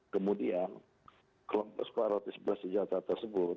kemudian kelompok separatis bersenjata tersebut